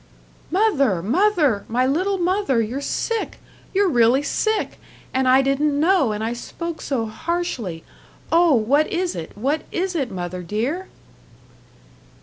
"Mother! Mother! My little mother you're sick, you're really sick, and I didn't know and I spoke so harshly. Oh, what is it, what is it, mother dear?"